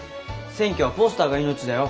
選挙はポスターが命だよ。